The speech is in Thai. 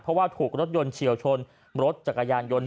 เพราะว่าถูกรถยนต์เฉียวชนรถจักรยานยนต์